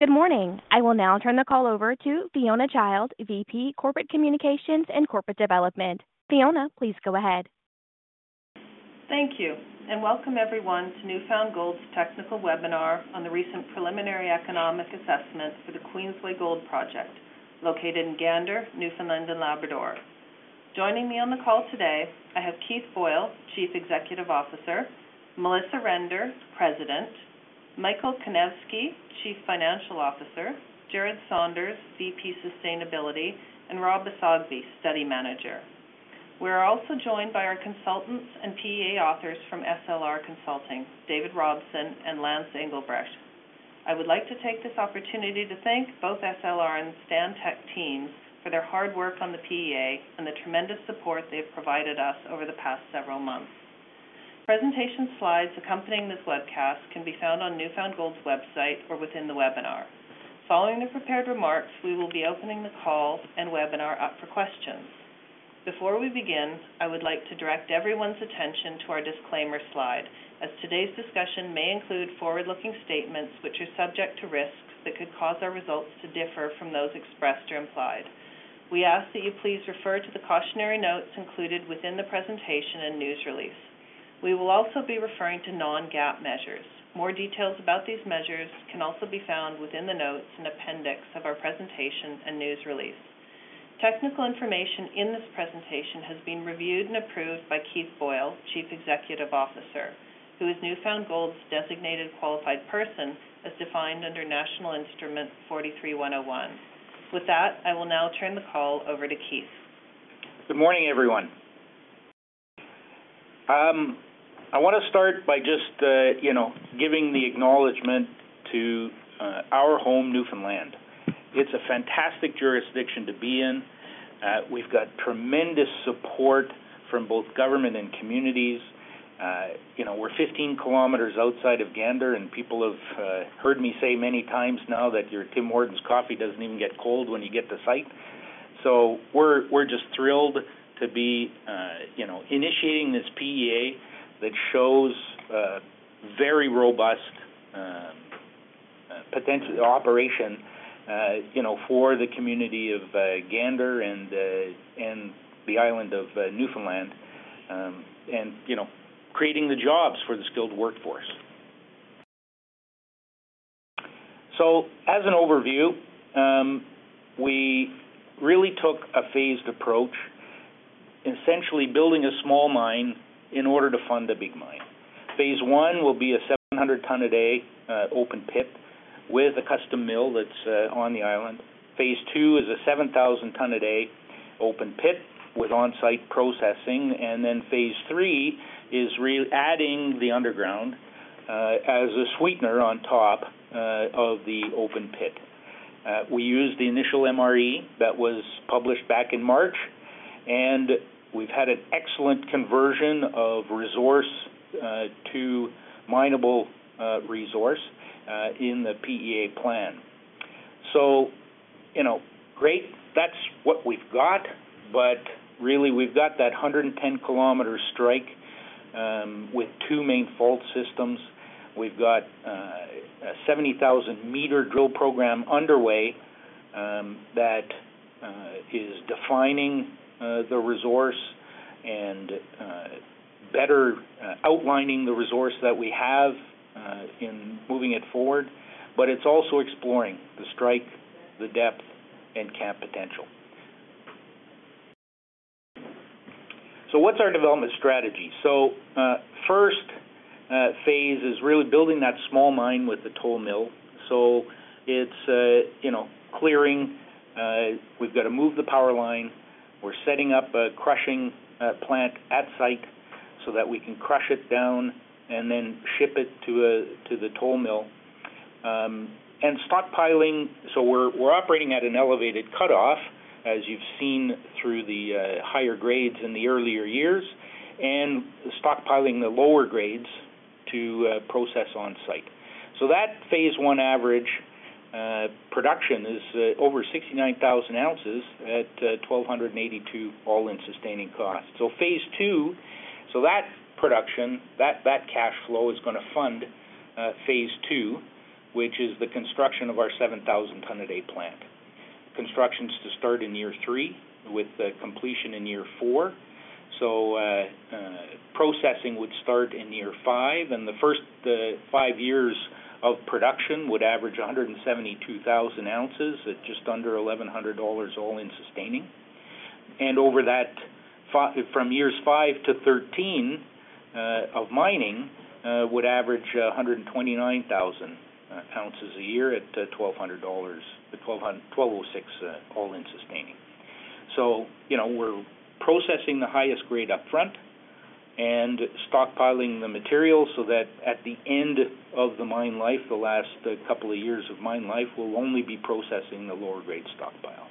Good morning. I will now turn the call over to Fiona Childe, a VP Corporate Communications and Development. Fiona, please go ahead. Thank you, and welcome everyone to New Found Gold's technical webinar on the recent Preliminary Economic Assessment for the Queensway Gold Project, located in Gander, Newfoundland and Labrador. Joining me on the call today, I have Keith Boyle, Chief Executive Officer, Melissa Render, President, Michael Kanevsky, Chief Financial Officer, Jared Saunders, VP Sustainability, and Rob Assabgui, Study Manager. We are also joined by our consultants and PEA authors from SLR Consulting, David Robson and Lance Engelbrecht. I would like to take this opportunity to thank both SLR and the Stantec team for their hard work on the PEA and the tremendous support they have provided us over the past several months. Presentation slides accompanying this webcast can be found on New Found Gold's website or within the webinar. Following the prepared remarks, we will be opening the call and webinar up for questions. Before we begin, I would like to direct everyone's attention to our disclaimer slide, as today's discussion may include forward-looking statements which are subject to risks that could cause our results to differ from those expressed or implied. We ask that you please refer to the cautionary notes included within the presentation and news release. We will also be referring to non-GAAP measures. More details about these measures can also be found within the notes and appendix of our presentation and news release. Technical information in this presentation has been reviewed and approved by Keith Boyle, Chief Executive Officer, who is New Found Gold's designated Qualified Person as defined under National Instrument 43-101. With that, I will now turn the call over to Keith. Good morning, everyone. I want to start by just giving the acknowledgement to our home Newfoundland. It's a fantastic jurisdiction to be in. We've got tremendous support from both government and communities. We're 15 kilometers outside of Gander, and people have heard me say many times now that your Tim Horton's coffee doesn't even get cold when you get to site. We're just thrilled to be initiating this PEA that shows very robust potential operation for the community of Gander and the island of Newfoundland and creating the jobs for the skilled workforce. As an overview, we really took a phased approach, essentially building a small mine in order to fund a big mine. Phase I will be a 700 tons per day open pit with a custom mill that's on the island. Phase two is a 7,000 tons per day open pit with on-site processing, and then phase three is really adding the underground as a sweetener on top of the open pit. We used the initial MRE that was published back in March, and we've had an excellent conversion of resource to minable resource in the PEA plan. That's what we've got, but really we've got that 110-kilometer strike with two main fault systems. We've got a 70,000 m drill program underway that is defining the resource and better outlining the resource that we have in moving it forward, but it's also exploring the strike, the depth, and cap potential. What's our development strategy? First phase is really building that small mine with the toll mill. It's clearing. We've got to move the power line. We're setting up a crushing plant at site so that we can crush it down and then ship it to the toll mill. Stockpiling, so we're operating at an elevated cutoff, as you've seen through the higher grades in the earlier years, and stockpiling the lower grades to process on site. That phase one average production is over 69,000 oz at $1,282 all-in sustaining costs. Phase II, that production, that cash flow is going to fund phase II, which is the construction of our 7,000 tons per day plant. Construction is to start in year three with completion in year four. Processing would start in year five, and the first five years of production would average 172,000 oz, just under $1,100 all-in sustaining. Over that, from years five to 13 of mining, would average 129,000 oz a year at $1,206 all-in sustaining. We're processing the highest grade upfront and stockpiling the material so that at the end of the mine life, the last couple of years of mine life, we'll only be processing the lower grade stockpile.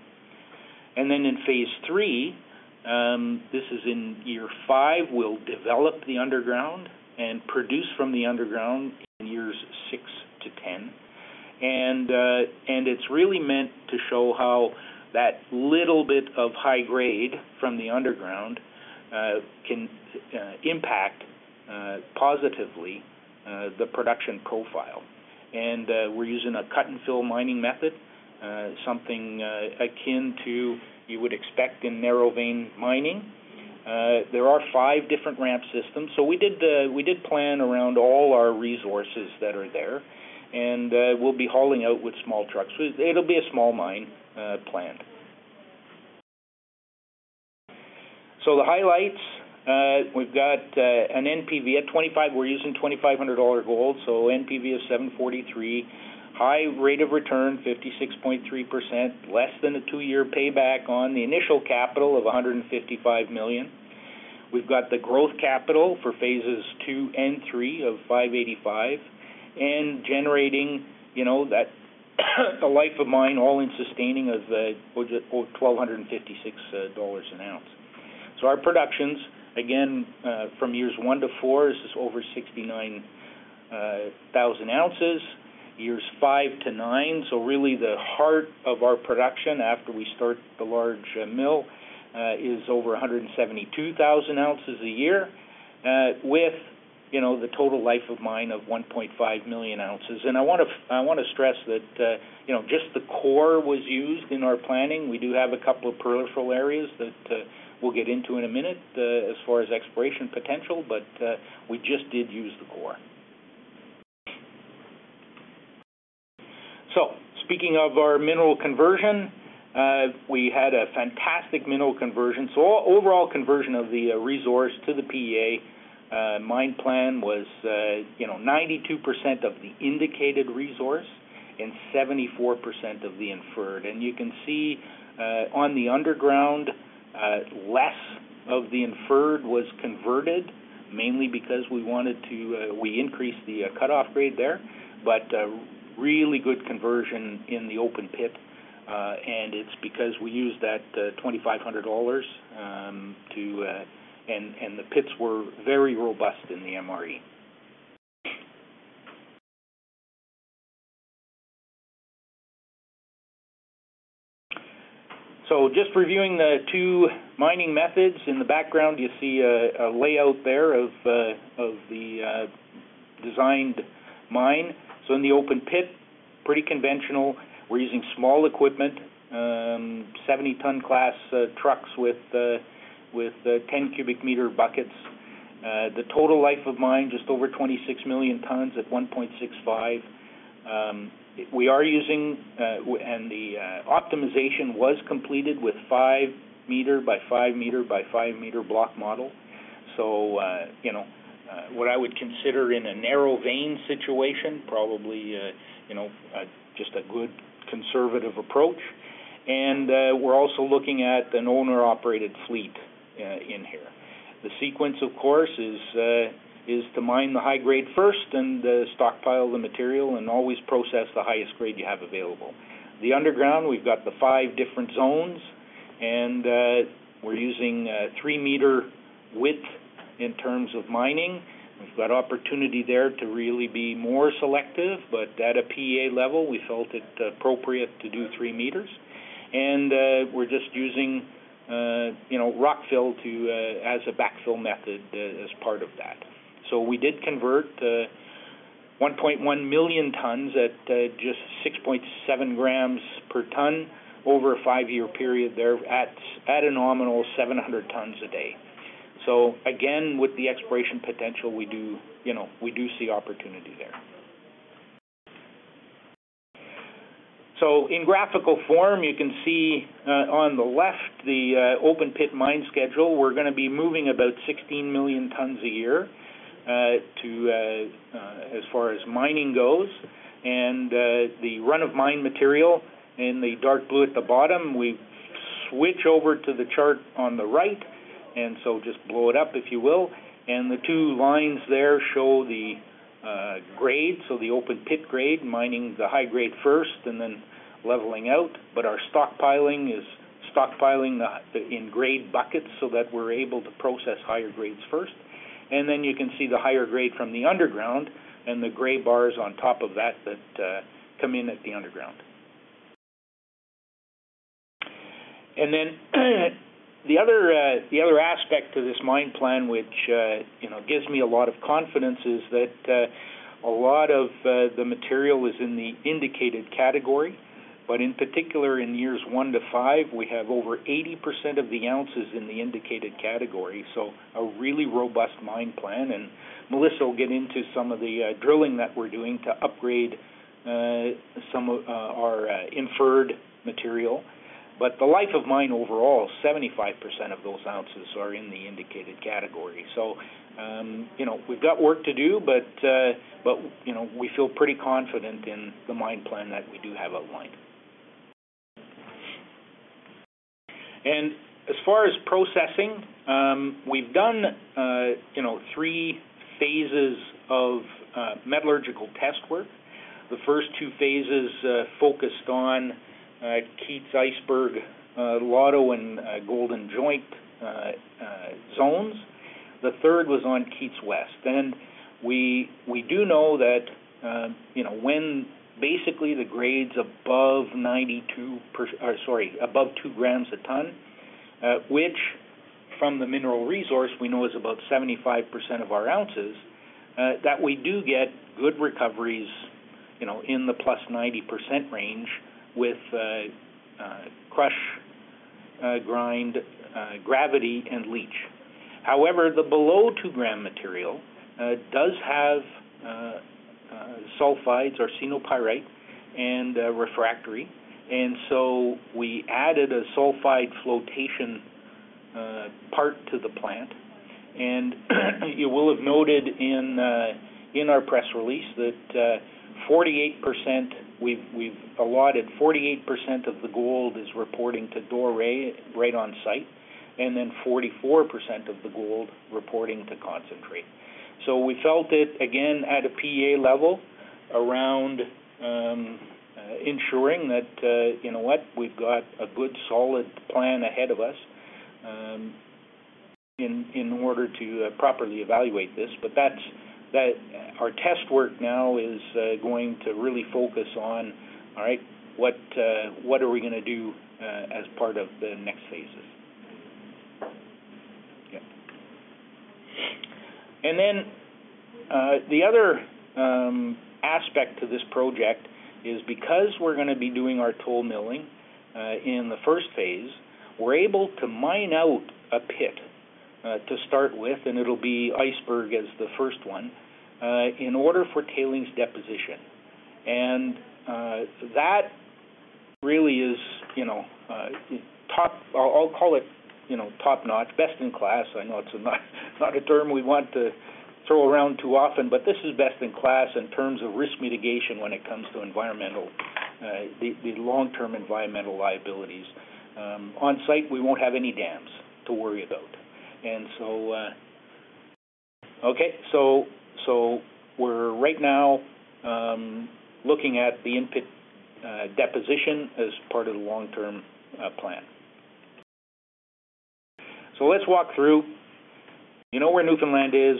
In phase three, this is in year five, we'll develop the underground and produce from the underground in years six to ten. It's really meant to show how that little bit of high grade from the underground can impact positively the production profile. We're using a cut-and-fill mining method, something akin to what you would expect in narrow-vein mining. There are five different ramp systems. We did plan around all our resources that are there, and we'll be hauling out with small trucks. It'll be a small mine plan. The highlights: we've got an NPV at 2025. We're using $2,500 gold, so NPV is $743 million, high rate of return, 56.3%, less than a two-year payback on the initial capital of $155 million. We've got the growth capital for phases II and III of $585 million and generating a life of mine all-in sustaining of $1,256 an ounce. Our productions, again, from years one to four, this is over 69,000 oz. Years five to nine, so really the heart of our production after we start the large mill, is over 172,000 oz a year with the total life of mine of 1.5 million oz. I want to stress that just the core was used in our planning. We do have a couple of peripheral areas that we'll get into in a minute as far as exploration potential, but we just did use the core. Speaking of our mineral conversion, we had a fantastic mineral conversion. Overall conversion of the resource to the PEA mine plan was 92% of the indicated resource and 74% of the inferred. You can see on the underground, less of the inferred was converted, mainly because we wanted to increase the cutoff grade there, but really good conversion in the open pit. It's because we used that $2,500, and the pits were very robust in the MRE. Just reviewing the two mining methods, in the background you see a layout there of the designed mine. In the open pit, pretty conventional. We're using small equipment, 70-ton class trucks with 10 cu m buckets. The total life of mine, just over 26 million tons at 1.65. We are using, and the optimization was completed with 5 m x 5 m x 5 m block model. What I would consider in a narrow vein situation, probably just a good conservative approach. We're also looking at an owner-operated fleet in here. The sequence, of course, is to mine the high grade first and stockpile the material and always process the highest grade you have available. The underground, we've got the five different zones, and we're using three meter width in terms of mining. We've got opportunity there to really be more selective, but at a PEA level, we felt it appropriate to do three meters. We're just using rock fill as a backfill method as part of that. We did convert the 1.1 million tons at just 6.7 g per ton over a five-year period there at a nominal 700 tons per day. With the exploration potential, we do see opportunity there. In graphical form, you can see on the left the open pit mine schedule. We're going to be moving about 16 million tons a year as far as mining goes. The run of mine material in the dark blue at the bottom, we switch over to the chart on the right, and just blow it up, if you will. The two lines there show the grade, so the open pit grade, mining the high grade first and then leveling out. Our stockpiling is stockpiling in grade buckets so that we're able to process higher grades first. You can see the higher grade from the underground and the gray bars on top of that that come in at the underground. The other aspect to this mine plan, which gives me a lot of confidence, is that a lot of the material is in the indicated category. In particular, in years one to five, we have over 80% of the ounces in the indicated category, so a really robust mine plan. Melissa will get into some of the drilling that we're doing to upgrade some of our inferred material. The life of mine overall, 75% of those oz are in the indicated category. We've got work to do, but we feel pretty confident in the mine plan that we do have outlined. As far as processing, we've done three phases of metallurgical test work. The first two phases focused on Keats iceberg, lotto, and golden joint zones. The third was on Keats West. We do know that when the grades are above 2 g a ton, which from the Mineral Resource we know is about 75% of our oz, we get good recoveries in the plus 90% range with crush, grind, gravity, and leach. However, the below 2 g material does have sulfides or pyrite and is refractory. We added a sulfide flotation part to the plant. You will have noted in our press release that we've allotted 48% of the gold is reporting to doré right on site, and then 44% of the gold reporting to concentrate. We felt at a Preliminary Economic Assessment level, ensuring that we've got a good solid plan ahead of us in order to properly evaluate this. Our test work now is going to really focus on what we are going to do as part of the next phases. The other aspect to this project is because we're going to be doing our toll milling in the first phase, we're able to mine out a pit to start with, and it'll be Iceberg as the first one in order for tailings deposition. That really is top-notch, best in class. I know it's not a term we want to throw around too often, but this is best in class in terms of risk mitigation when it comes to environmental, the long-term environmental liabilities. On site, we won't have any dams to worry about. Right now, we're looking at the input deposition as part of the long-term plan. Let's walk through. You know where Newfoundland is.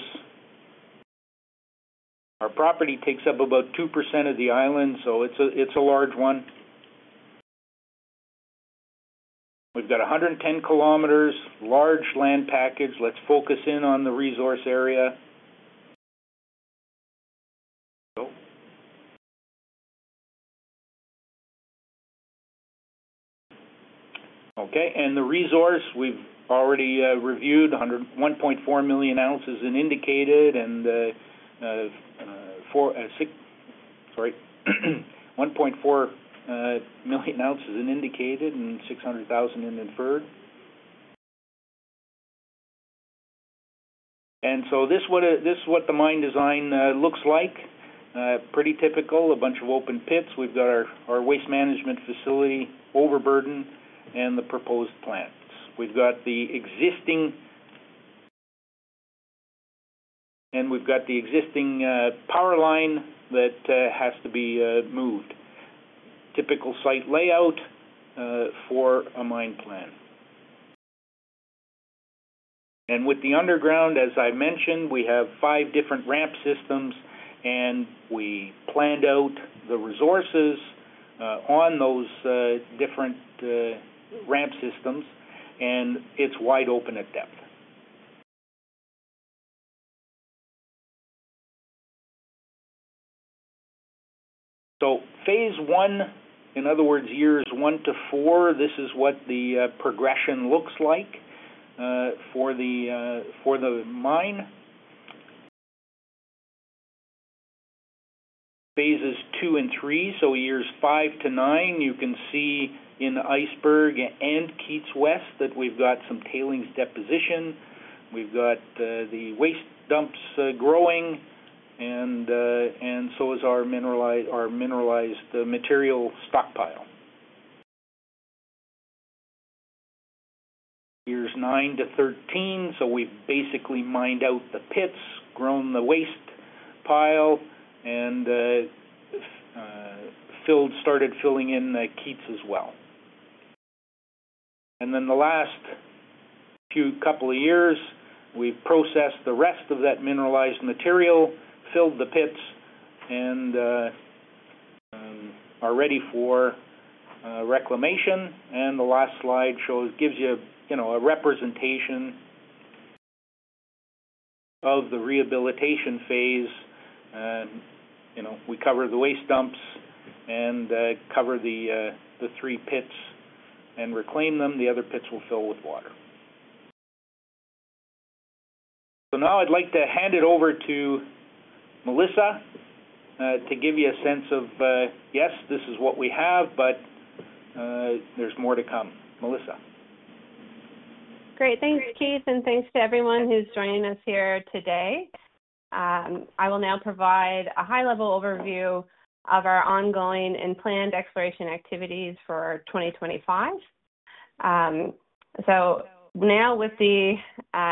Our property takes up about 2% of the island, so it's a large one. We've got 110 km, large land package. Let's focus in on the resource area. The resource we've already reviewed: 1.4 million oz in indicated and 600,000 in inferred. This is what the mine design looks like. Pretty typical, a bunch of open pits. We've got our waste management facility, overburden, and the proposed plants. We've got the existing power line that has to be moved. Typical site layout for a mine plan. With the underground, as I mentioned, we have five different ramp systems, and we planned out the resources on those different ramp systems, and it's wide open at depth. Phase I, in other words, years one to four, this is what the progression looks like for the mine. Phases II and III, so years five to nine, you can see in the Iceberg and Keats West that we've got some tailings deposition. We've got the waste dumps growing, and so is our mineralized material stockpile. Years nine to 13, we've basically mined out the pits, grown the waste pile, and started filling in the Keats as well. The last couple of years, we processed the rest of that mineralized material, filled the pits, and are ready for reclamation. The last slide gives you a representation of the rehabilitation phase. We cover the waste dumps and cover the three pits and reclaim them. The other pits will fill with water. Now I'd like to hand it over to Melissa to give you a sense of, yes, this is what we have, but there's more to come. Melissa. Great. Thanks, Keith, and thanks to everyone who's joining us here today. I will now provide a high-level overview of our ongoing and planned exploration activities for 2025. Now with the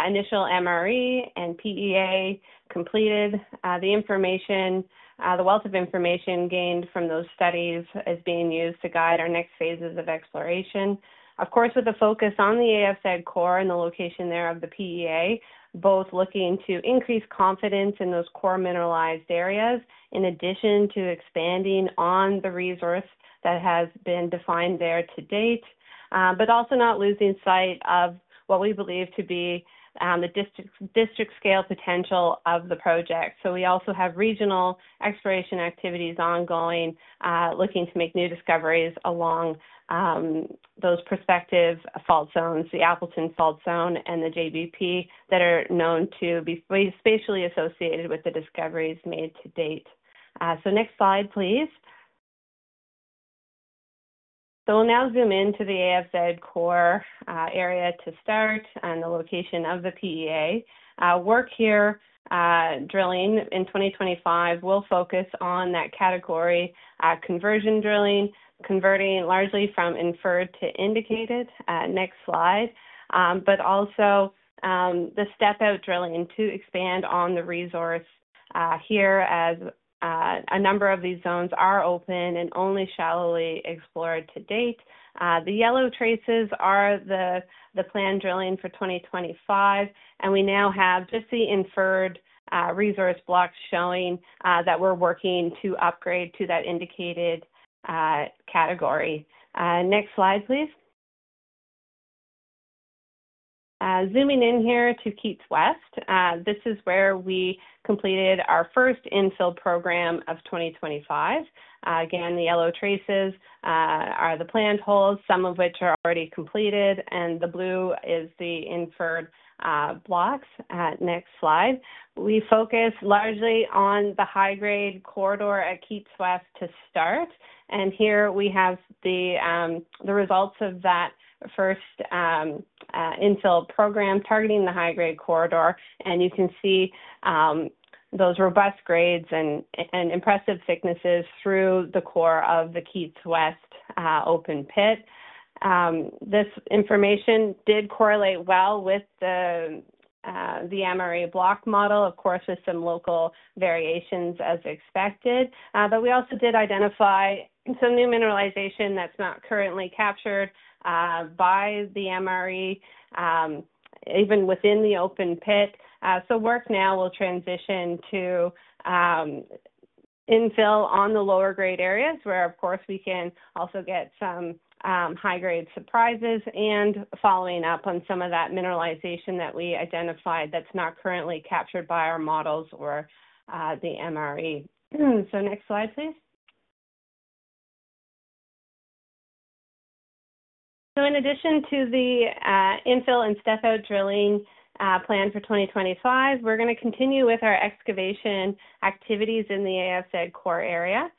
initial MRE and PEA completed, the wealth of information gained from those studies is being used to guide our next phases of exploration. Of course, with a focus on the AFZ core and the location there of the PEA, both looking to increase confidence in those core mineralized areas in addition to expanding on the resource that has been defined there to date, but also not losing sight of what we believe to be the district scale potential of the project. We also have regional exploration activities ongoing, looking to make new discoveries along those prospective fault zones, the Appleton Fault Zone and the JBP Fault that are known to be spatially associated with the discoveries made to date. Next slide, please. We'll now zoom into the AFZ core area to start on the location of the PEA. Work here drilling in 2025 will focus on that category conversion drilling, converting largely from inferred to indicated. Next slide. Also the step-out drilling to expand on the resource here as a number of these zones are open and only shallowly explored to date. The yellow traces are the planned drilling for 2025, and we now have just the inferred resource blocks showing that we're working to upgrade to that indicated category. Next slide, please. Zooming in here to Keats West, this is where we completed our first infill program of 2025. Again, the yellow traces are the planned holes, some of which are already completed, and the blue is the inferred blocks. Next slide. We focus largely on the high-grade corridor at Keats West to start. Here we have the results of that first infill program targeting the high-grade corridor. You can see those robust grades and impressive thicknesses through the core of the Keats West open pit. This information did correlate well with the MRE block model, of course, with some local variations as expected. We also did identify some new mineralization that's not currently captured by the MRE, even within the open pit. Work now will transition to infill on the lower grade areas where we can also get some high-grade surprises and follow up on some of that mineralization that we identified that's not currently captured by our models or the MRE. Next slide, please. In addition to the infill and step-out drilling plan for 2025, we're going to continue with our excavation activities in the AFZ core area.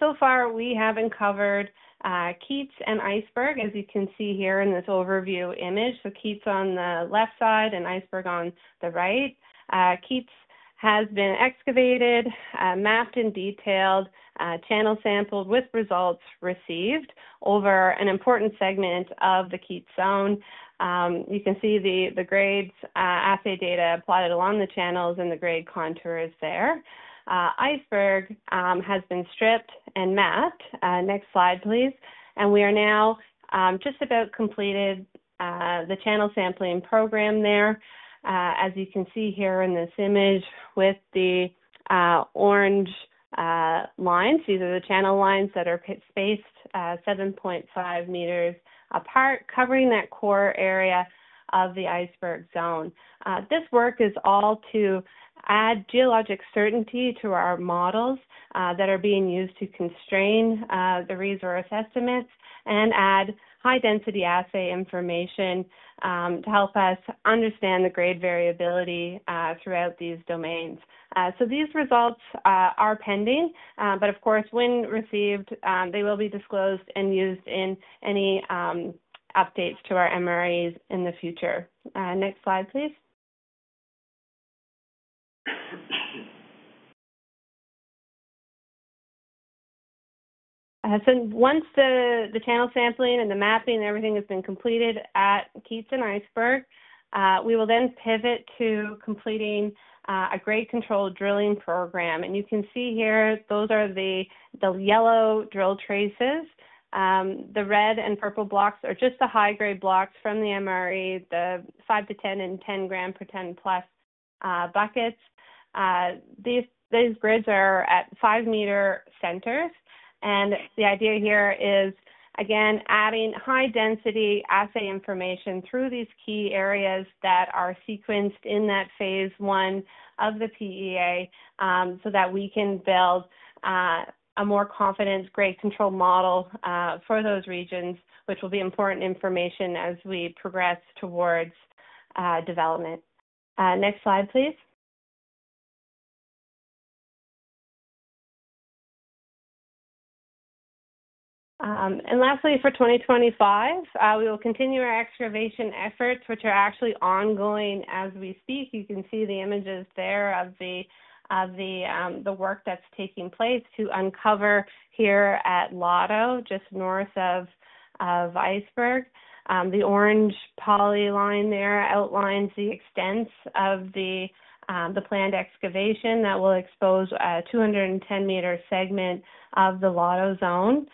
So far we haven't covered Keats and Iceberg, as you can see here in this overview image. Keats is on the left side and Iceberg on the right. Keats has been excavated, mapped, and detailed, channel sampled with results received over an important segment of the Keats zone. You can see the grades assay data plotted along the channels and the grade contours there. Iceberg has been stripped and mapped. Next slide, please. We are now just about completed the channel sampling program there. As you can see here in this image with the orange lines, these are the channel lines that are spaced 7.5 m apart, covering that core area of the Iceberg zone. This work is all to add geologic certainty to our models that are being used to constrain the resource estimates and add high-density assay information to help us understand the grade variability throughout these domains. These results are pending, but of course, when received, they will be disclosed and used in any updates to our MREs in the future. Next slide, please. Once the channel sampling and the mapping and everything has been completed at Keats and Iceberg, we will then pivot to completing a grade control drilling program. You can see here, those are the yellow drill traces. The red and purple blocks are just the high-grade blocks from the MRE, the five to ten and ten gram per ten plus buckets. These grids are at five-meter centers. The idea here is, again, adding high-density assay information through these key areas that are sequenced in that phase I of the PEA so that we can build a more confident grade control model for those regions, which will be important information as we progress towards development. Next slide, please. Lastly, for 2025, we will continue our excavation efforts, which are actually ongoing as we speak. You can see the images there of the work that's taking place to uncover here at Lotto, just north of Iceberg. The orange polyline there outlines the extents of the planned excavation that will expose a 210 m segment of the Lotto zone.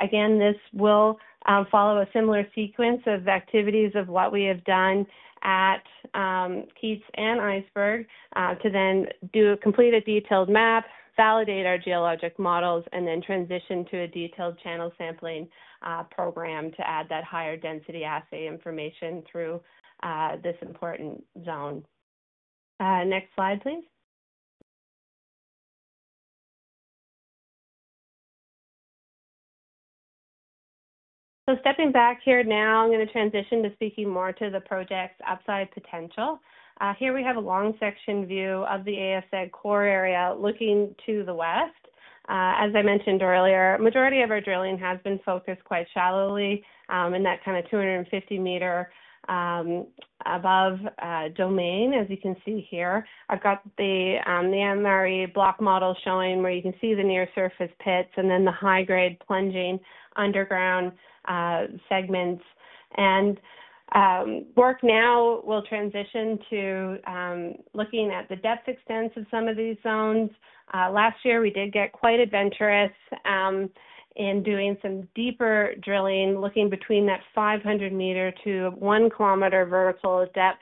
Again, this will follow a similar sequence of activities of what we have done at Keats and Iceberg to then complete a detailed map, validate our geologic models, and then transition to a detailed channel sampling program to add that higher density assay information through this important zone. Next slide, please. Stepping back here now, I'm going to transition to speaking more to the project's upside potential. Here we have a long section view of the AFZ core area looking to the west. As I mentioned earlier, the majority of our drilling has been focused quite shallowly in that kind of 250 m above domain, as you can see here. I've got the MRE block model showing where you can see the near-surface pits and then the high-grade plunging underground segments. Work now will transition to looking at the depth extents of some of these zones. Last year, we did get quite adventurous in doing some deeper drilling, looking between that 500 m to 1 km vertical depth.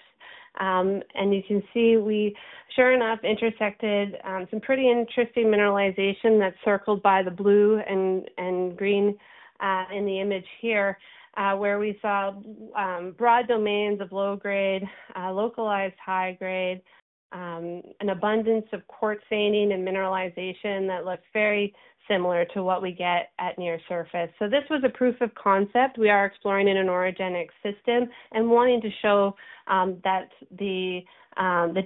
You can see we, sure enough, intersected some pretty interesting mineralization that's circled by the blue and green in the image here, where we saw broad domains of low grade, localized high grade, an abundance of quartz veining and mineralization that looks very similar to what we get at near-surface. This was a proof of concept. We are exploring in an orogenic system and wanting to show that the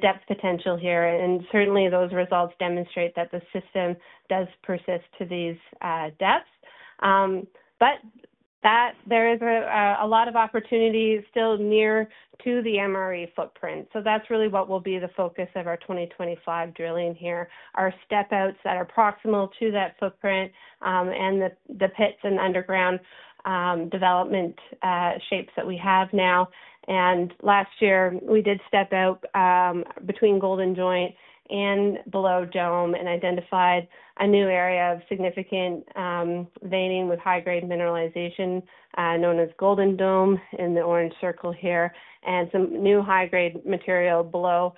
depth potential here, and certainly those results demonstrate that the system does persist to these depths. There is a lot of opportunity still near to the MRE footprint. That's really what will be the focus of our 2025 drilling here, our step-outs that are proximal to that footprint and the pits and underground development shapes that we have now. Last year, we did step out between Golden Joint and below Dome and identified a new area of significant veining with high-grade mineralization known as Golden Dome in the orange circle here and some new high-grade material below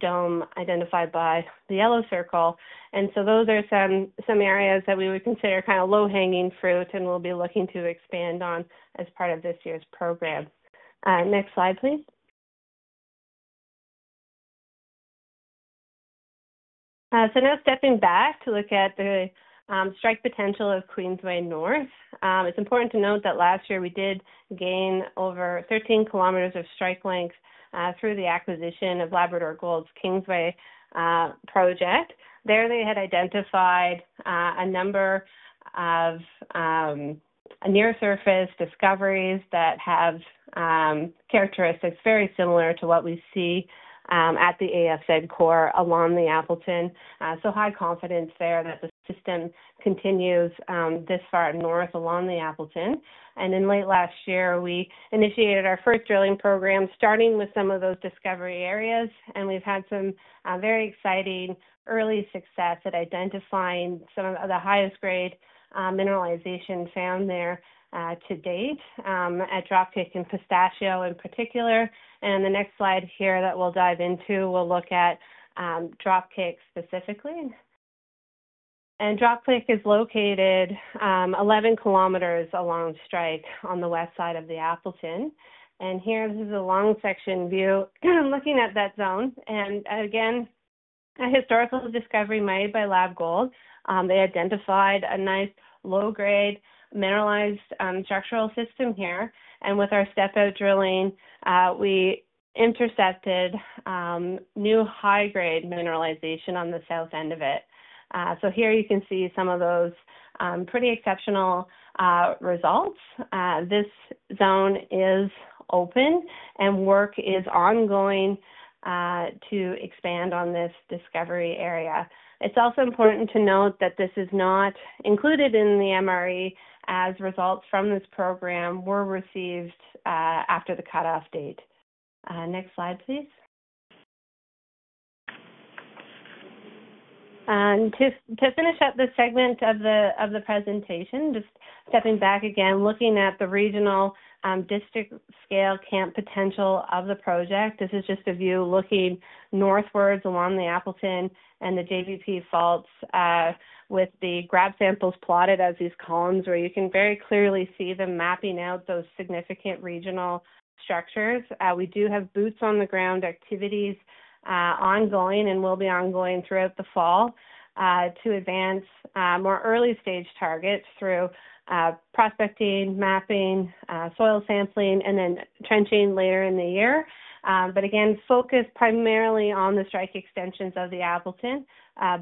Dome identified by the yellow circle. Those are some areas that we would consider kind of low-hanging fruit and we'll be looking to expand on as part of this year's program. Next slide, please. Now stepping back to look at the strike potential of Queensway North, it's important to note that last year we did gain over 13 km of strike length through the acquisition of Labrador Gold's Kingsway Project. They had identified a number of near-surface discoveries that have characteristics very similar to what we see at the AFZ core along the Appleton. There is high confidence that the system continues this far north along the Appleton. In late last year, we initiated our first drill program starting with some of those discovery areas, and we've had some very exciting early success at identifying some of the highest grade mineralization found there to date at Dropkick and Pistachio in particular. The next slide here that we'll dive into will look at Dropkick specifically. Dropkick is located 11 km along strike on the west side of the Appleton. Here, this is a long section view looking at that zone. A historical discovery was made by Lab Gold. They identified a nice low-grade mineralized structural system here. With our step-out drilling, we intercepted new high-grade mineralization on the south end of it. Here you can see some of those pretty exceptional results. This zone is open and work is ongoing to expand on this discovery area. It's also important to note that this is not included in the MRE as results from this program were received after the cutoff date. Next slide, please. To finish up this segment of the presentation, just stepping back again, looking at the regional district scale camp potential of the project. This is just a view looking northwards along the Appleton and the JBP faults with the grab samples plotted as these columns where you can very clearly see them mapping out those significant regional structures. We do have boots on the ground activities ongoing and will be ongoing throughout the fall to advance more early-stage targets through prospecting, mapping, soil sampling, and then trenching later in the year. Focus is primarily on the strike extensions of the Appleton,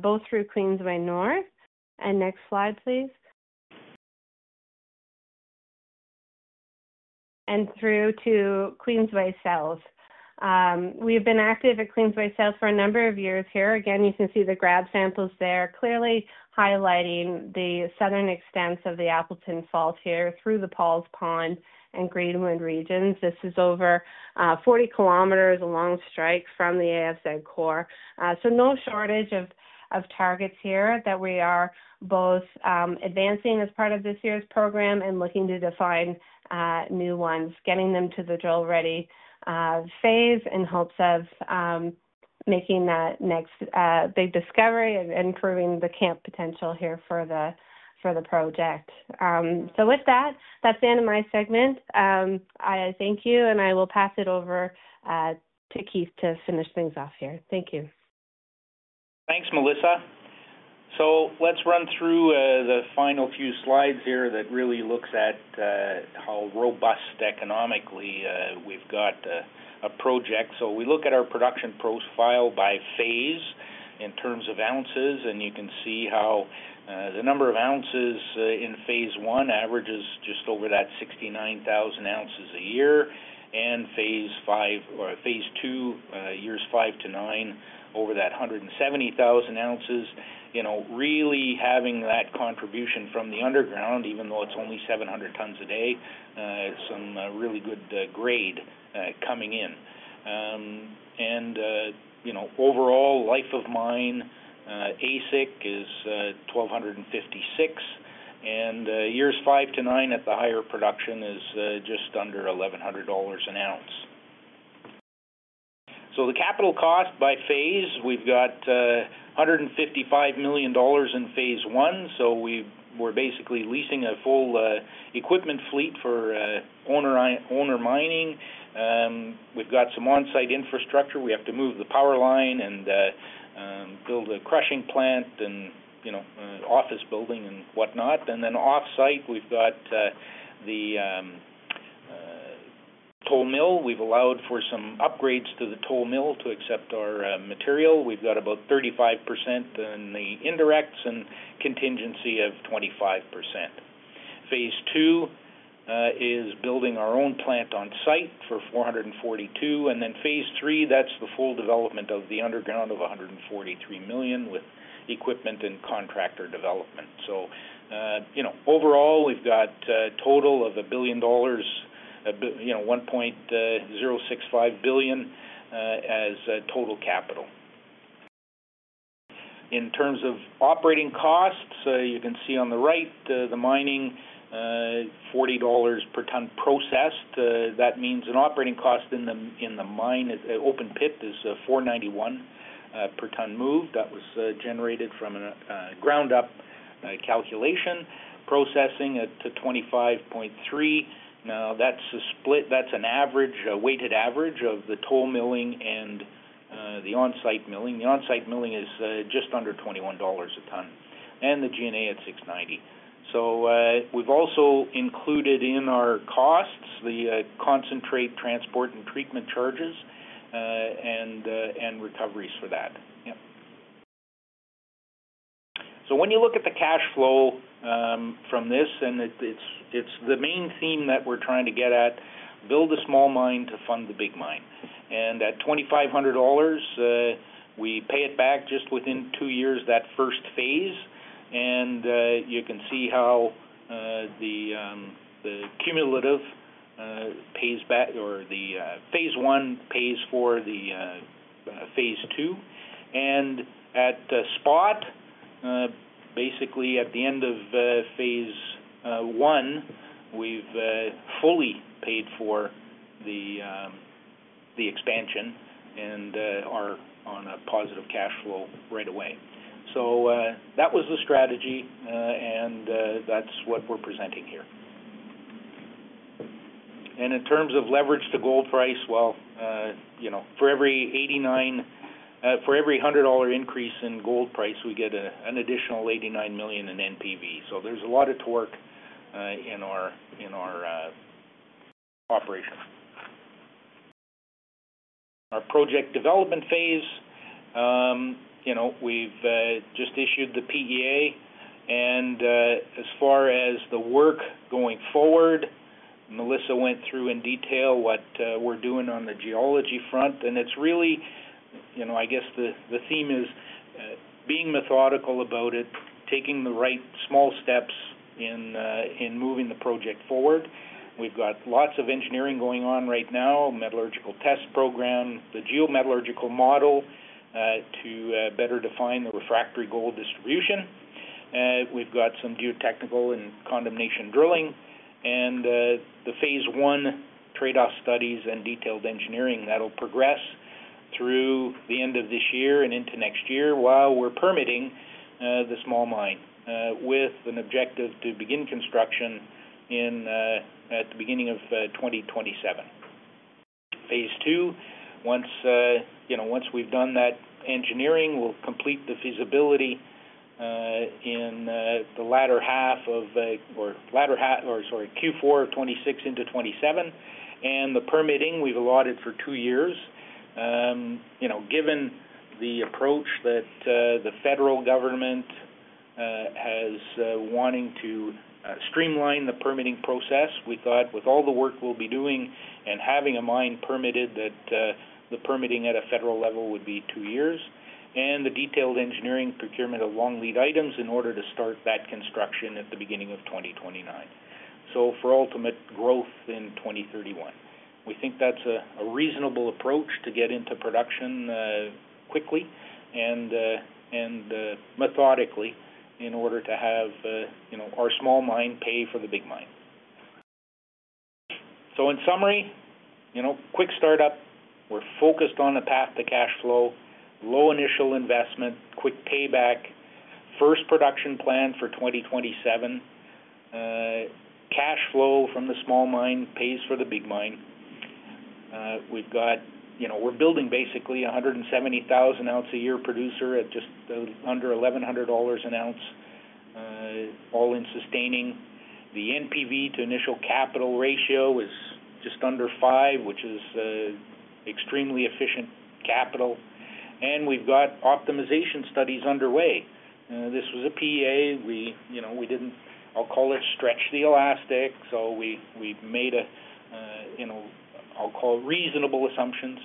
both through Queensway North. Next slide, please. Through to Queensway South, we have been active at Queensway South for a number of years. You can see the grab samples there clearly highlighting the southern extents of the Appleton fault here through the Paul's Pond and Greenwood regions. This is over 40 km along strike from the AFZ core. There is no shortage of targets here that we are both advancing as part of this year's program and looking to define new ones, getting them to the drill-ready phase in hopes of making that next big discovery and improving the camp potential here for the project. With that, that's the end of my segment. I thank you, and I will pass it over to Keith to finish things off here. Thank you. Thanks, Melissa. Let's run through the final few slides here that really look at how robust economically we've got a project. We look at our production profile by phase in terms of ounces, and you can see how the number of oz in phase one averages just over that 69,000 oz a year. Phase II, years five to nine, over that 170,000 oz, really having that contribution from the underground, even though it's only 700 tons a day, some really good grade coming in. Overall life of mine AISC is $1,256, and years five to nine at the higher production is just under $1,100 an ounce. The capital cost by phase, we've got $155 million in phase I. We're basically leasing a full equipment fleet for owner mining. We've got some on-site infrastructure. We have to move the power line and build a crushing plant and office building and whatnot. Off-site, we've got the toll mill. We've allowed for some upgrades to the toll mill to accept our material. We've got about 35% in the indirects and contingency of 25%. Phase II is building our own plant on site for $442 million, and then phase three, that's the full development of the underground of $143 million with equipment and contractor development. Overall, we've got a total of $1.065 billion as total capital. In terms of operating costs, you can see on the right the mining, $40 per tonne processed. That means an operating cost in the mine open pit is $4.91 per tonne moved. That was generated from a ground-up calculation, processing to $25.3. That's an average, a weighted average of the toll milling and the on-site milling. The on-site milling is just under $21 a tonne and the G&A at $6.90. We've also included in our costs the concentrate transport and treatment charges and recoveries for that. When you look at the cash flow from this, and it's the main theme that we're trying to get at, build a small mine to fund the big mine. At $2,500, we pay it back just within two years that first phase. You can see how the cumulative pays back or the phase I pays for the phase II. At the spot, basically at the end of phase one, we've fully paid for the expansion and are on a positive cash flow right away. That was the strategy, and that's what we're presenting here. In terms of leverage to gold price, for every $100 increase in gold price, we get an additional $89 million in NPV. There is a lot of torque in our operation. Our project development phase, we've just issued the PEA. As far as the work going forward, Melissa went through in detail what we're doing on the geology front. The theme is being methodical about it, taking the right small steps in moving the project forward. We've got lots of engineering going on right now, metallurgical test program, the geometallurgical model to better define the refractory gold distribution. We've got some geotechnical and condemnation drilling and the phase one trade-off studies and detailed engineering that'll progress through the end of this year and into next year while we're permitting the small mine with an objective to begin construction at the beginning of 2027. Phase two, once we've done that engineering, we'll complete the feasibility in the latter half of, or sorry, Q4 2026 into 2027. The permitting we've allotted for two years, given the approach that the federal government has wanting to streamline the permitting process, we thought with all the work we'll be doing and having a mine permitted that the permitting at a federal level would be two years. The detailed engineering procurement of long lead items in order to start that construction at the beginning of 2029. For ultimate growth in 2031, we think that's a reasonable approach to get into production quickly and methodically in order to have our small mine pay for the big mine. In summary, quick startup. We're focused on a path to cash flow, low initial investment, quick payback, first production plan for 2027. Cash flow from the small mine pays for the big mine. We're building basically 170,000 ounce a year producer at just under $1,100 an ounce, all in sustaining. The NPV to initial capital ratio is just under five, which is extremely efficient capital. We've got optimization studies underway. This was a PEA. We didn't, I'll call it stretch the elastic. We made, I'll call it reasonable assumptions.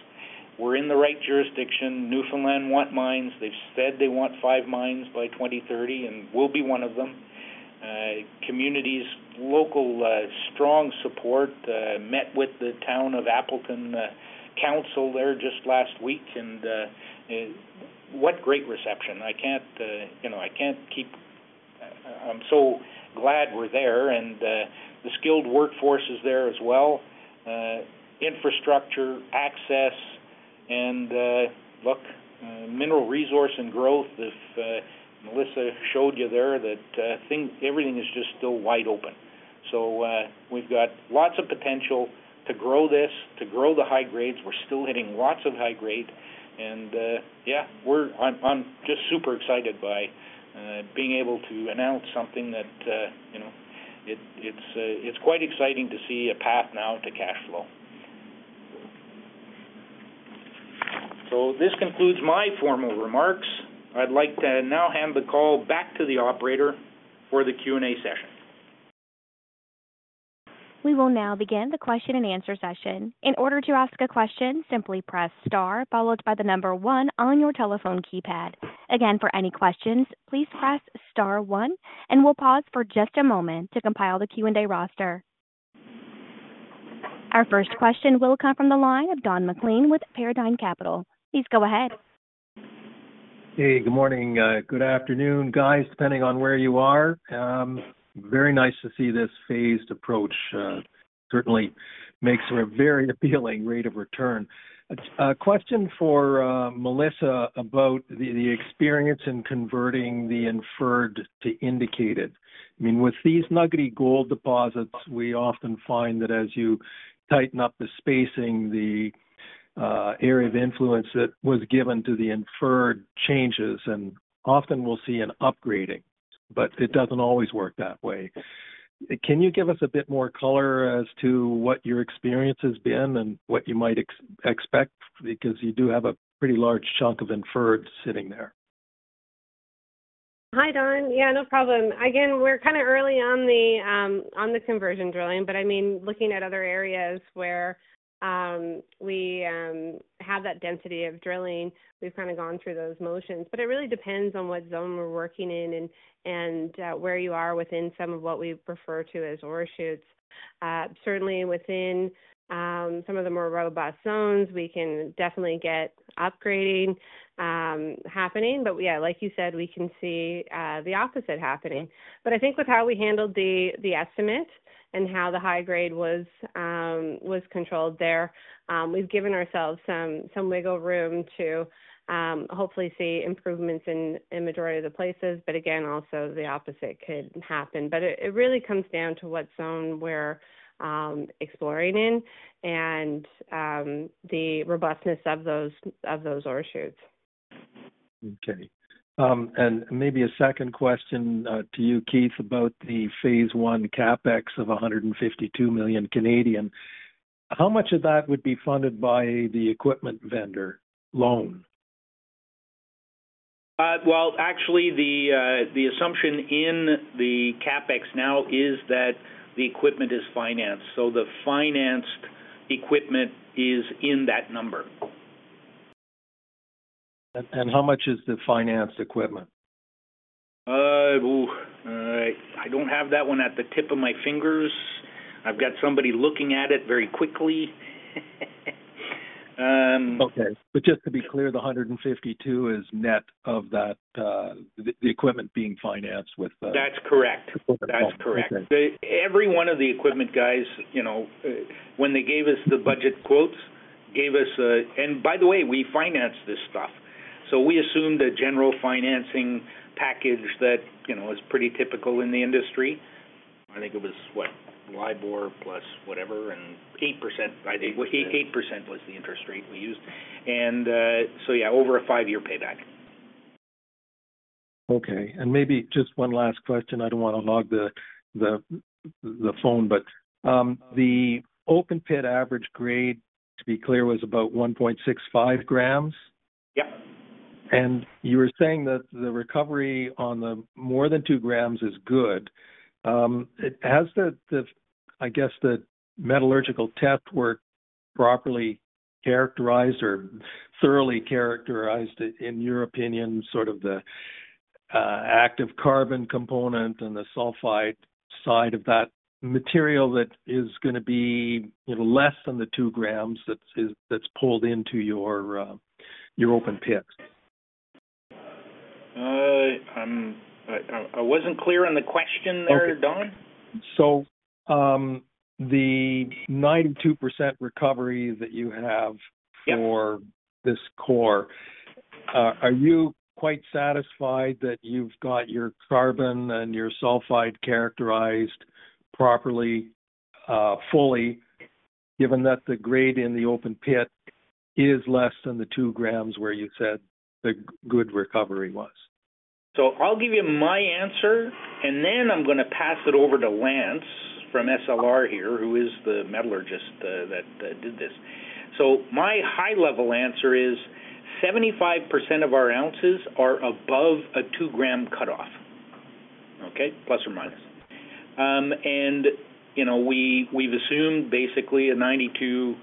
We're in the right jurisdiction. Newfoundland want mines. They've said they want five mines by 2030, and we'll be one of them. Communities, local strong support, met with the Town of Appleton Council there just last week, and what great reception. I can't, you know, I can't keep, I'm so glad we're there, and the skilled workforce is there as well. Infrastructure, access, and look, mineral resource and growth. If Melissa showed you there that everything is just still wide open, we've got lots of potential to grow this, to grow the high grades. We're still hitting lots of high grade. I'm just super excited by being able to announce something that, you know, it's quite exciting to see a path now to cash flow. This concludes my formal remarks. I'd like to now hand the call back to the operator for the Q&A session. We will now begin the question-and-answer session. In order to ask a question, simply press star followed by the number one on your telephone keypad. Again, for any questions, please press star one, and we'll pause for just a moment to compile the Q&A roster. Our first question will come from the line of Don MacLean with Paradigm Capital. Please go ahead. Hey, good morning. Good afternoon, guys, depending on where you are. Very nice to see this phased approach. Certainly makes for a very appealing rate of return. A question for Melissa about the experience in converting the inferred to indicated. I mean, with these nuggety gold deposits, we often find that as you tighten up the spacing, the area of influence that was given to the inferred changes, and often we'll see an upgrading, but it doesn't always work that way. Can you give us a bit more color as to what your experience has been and what you might expect because you do have a pretty large chunk of inferred sitting there? Hi, Don. Yeah, no problem. Again, we're kind of early on the conversion drilling, but I mean, looking at other areas where we have that density of drilling, we've kind of gone through those motions. It really depends on what zone we're working in and where you are within some of what we refer to as oreshoots. Certainly within some of the more robust zones, we can definitely get upgrading happening. Yeah, like you said, we can see the opposite happening. I think with how we handled the estimate and how the high grade was controlled there, we've given ourselves some wiggle room to hopefully see improvements in the majority of the places. Again, also the opposite could happen. It really comes down to what zone we're exploring in and the robustness of those oreshoots. Okay. Maybe a second question to you, Keith, about the phase one CapEx of 152 million. How much of that would be funded by the equipment vendor loan? The assumption in the CapEx now is that the equipment is financed. The financed equipment is in that number. How much is the financed equipment? I don't have that one at the tip of my fingers. I've got somebody looking at it very quickly. Okay. Just to be clear, the 152 million is net of that, the equipment being financed with. That's correct. Every one of the equipment guys, you know, when they gave us the budget quotes, gave us, and by the way, we financed this stuff. We assumed a general financing package that is pretty typical in the industry. I think it was, what, LIBOR + whatever, and 8%. I think 8% was the interest rate we used, over a five-year payback. Okay. Maybe just one last question. I don't want to hog the phone, but the open pit average grade, to be clear, was about 1.65 grams. Yep. You were saying that the recovery on the more than two grams is good. As the, I guess, the metallurgical tests were properly characterized or thoroughly characterized, in your opinion, sort of the active carbon component and the sulfite side of that material that is going to be, you know, less than the 2 g that's pulled into your open pits. I wasn't clear on the question there, Don. Okay. The 92% recovery that you have for this core, are you quite satisfied that you've got your carbon and your sulfide characterized properly, fully, given that the grade in the open pit is less than the two grams where you said the good recovery was? I'll give you my answer, and then I'm going to pass it over to Lance from SLR Consulting here, who is the metallurgist that did this. My high-level answer is 75% of our ounces are above a 2 g cutoff, plus or minus. We've assumed basically a 92%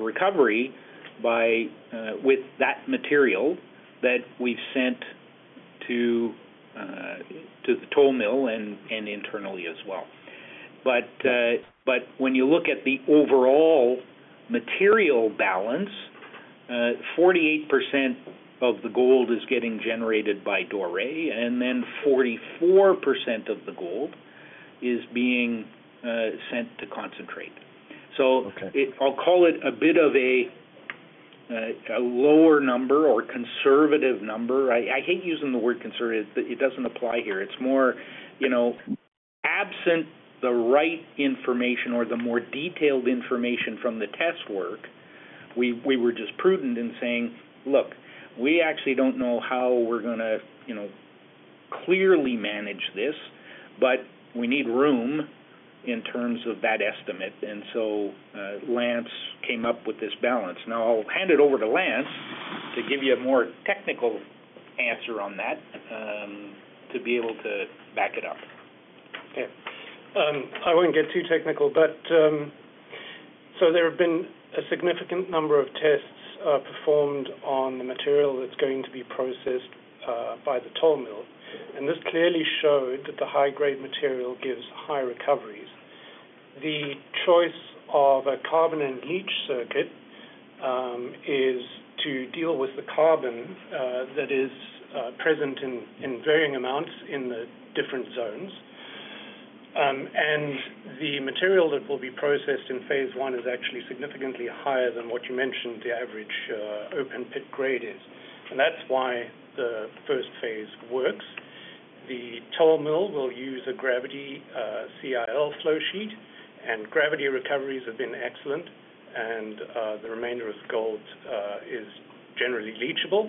recovery with that material that we've sent to the toll mill and internally as well. When you look at the overall material balance, 48% of the gold is getting generated by doré, and 44% of the gold is being sent to concentrate. I'll call it a bit of a lower number or conservative number. I hate using the word conservative. It doesn't apply here. It's more, absent the right information or the more detailed information from the test work, we were just prudent in saying, look, we actually don't know how we're going to clearly manage this, but we need room in terms of that estimate. Lance came up with this balance. Now, I'll hand it over to Lance to give you a more technical answer on that to be able to back it up. Okay. I won't get too technical, but there have been a significant number of tests performed on the material that's going to be processed by the toll mill. This clearly showed that the high-grade material gives high recoveries. The choice of a carbon-in-leach circuit is to deal with the carbon that is present in varying amounts in the different zones. The material that will be processed in phase one is actually significantly higher than what you mentioned the average open pit grade is. That's why the first phase works. The toll mill will use a gravity-CIL flow sheet, and gravity recoveries have been excellent, and the remainder of gold is generally leachable.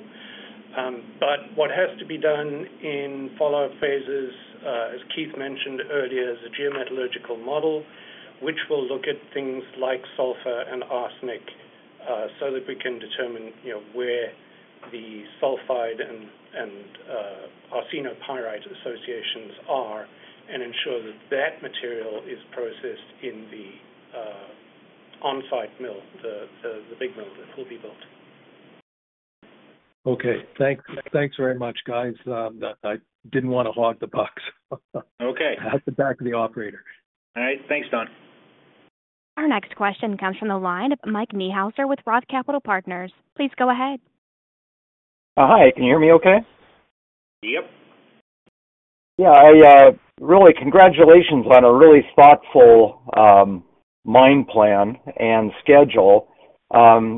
What has to be done in follow-up phases, as Keith mentioned earlier, is a geometallurgical model, which will look at things like sulfur and arsenic so that we can determine where the sulfide and arsenopyrite associations are and ensure that that material is processed in the on-site mill, the big mill that will be built. Okay, thanks very much, guys. I didn't want to hog the bucks. Okay. I have to back the operator. All right. Thanks, Don. Our next question comes from the line of Mike Niehuserr with ROTH Capital Partners. Please go ahead. Hi, can you hear me okay? Yep. Yeah. Really, congratulations on a really thoughtful mine plan and schedule.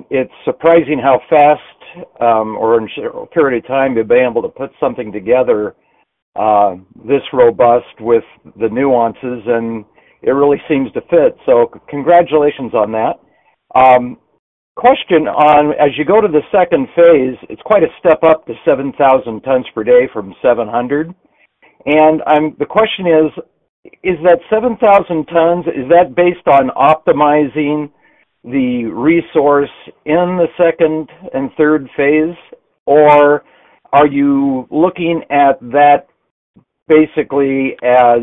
It's surprising how fast, or in a period of time, to be able to put something together this robust with the nuances, and it really seems to fit. Congratulations on that. Question on, as you go to the second phase, it's quite a step up to 7,000 tons per day from 700 tons per day. The question is, is that 7,000 tons, is that based on optimizing the resource in the second and third phase, or are you looking at that basically as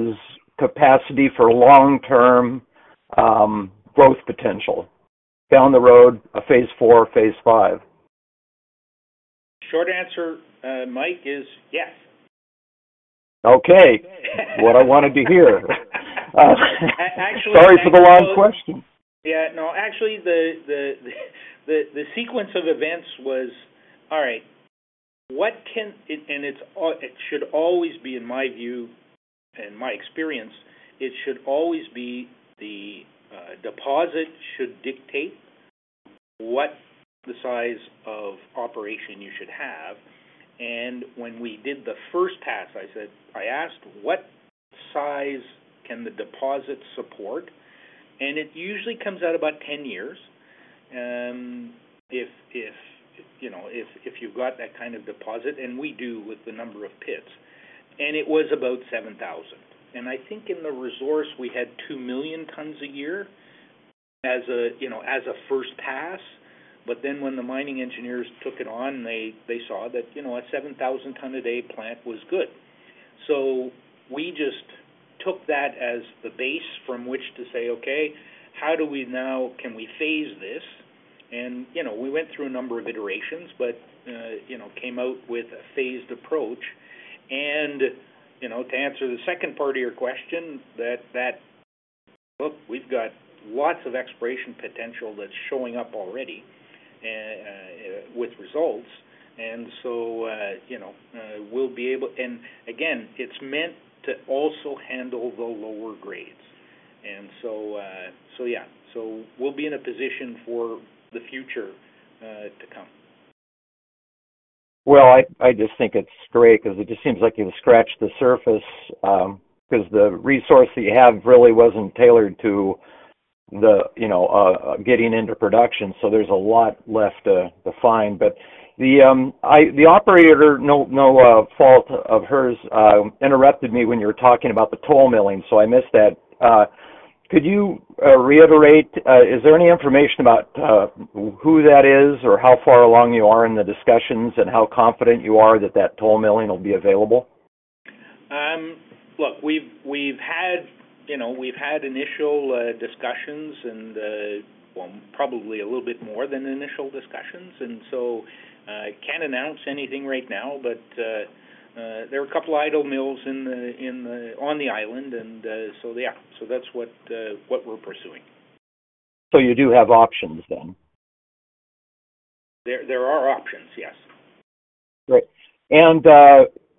capacity for long-term growth potential down the road, a phase IV, phase V? Short answer, Mike, is yes. Okay, what I wanted to hear. Sorry for the long question. Yeah. No, actually, the sequence of events was, all right, what can, and it should always be, in my view and my experience, it should always be the deposit should dictate what the size of operation you should have. When we did the first pass, I said, I asked, what size can the deposit support? It usually comes out about 10 years, if you've got that kind of deposit, and we do with the number of pits. It was about 7,000 tons per day. I think in the resource, we had 2 million tons a year as a first pass. When the mining engineers took it on, they saw that, you know, a 7,000-ton-a-day plant was good. We just took that as the base from which to say, okay, how do we now, can we phase this? We went through a number of iterations, but came out with a phased approach. To answer the second part of your question, we've got lots of exploration potential that's showing up already with results. We'll be able, and again, it's meant to also handle the lower grades. So yeah, we'll be in a position for the future to come. I just think it's great because it just seems like you've scratched the surface because the resource that you have really wasn't tailored to the, you know, getting into production. There's a lot left to find. The operator, no fault of hers, interrupted me when you were talking about the toll milling. I missed that. Could you reiterate, is there any information about who that is or how far along you are in the discussions and how confident you are that that toll milling will be available? We've had initial discussions and probably a little bit more than initial discussions. I can't announce anything right now, but there are a couple of idle mills on the island. That's what we're pursuing. You do have options then? There are options, yes. Right.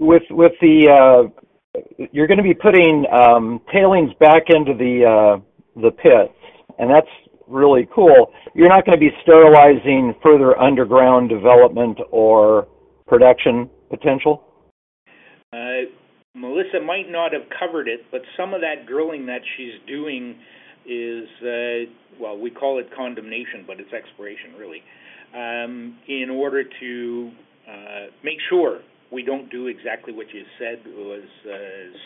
With the, you're going to be putting tailings back into the pit, and that's really cool. You're not going to be sterilizing further underground development or production potential? Melissa might not have covered it, but some of that drilling that she's doing is, we call it condemnation, but it's exploration, really, in order to make sure we don't do exactly what she said was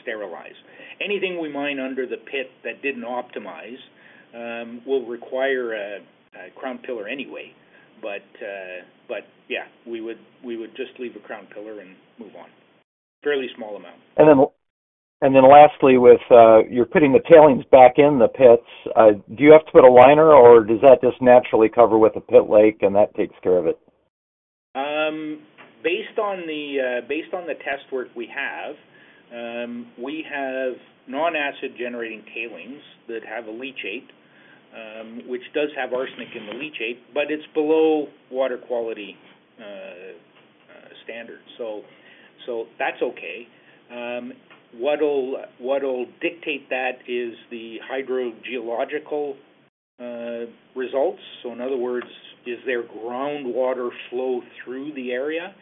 sterilized. Anything we mine under the pit that didn't optimize will require a crown pillar anyway. Yeah, we would just leave a crown pillar and move on. Fairly small amount. Lastly, with you're putting the tailings back in the pits, do you have to put a liner, or does that just naturally cover with a pit lake and that takes care of it? Based on the test work we have, we have non-acid-generating tailings that have a leachate, which does have arsenic in the leachate, but it's below water quality standard. That's okay. What'll dictate that is the hydrogeological results. In other words, is there groundwater flow through the area?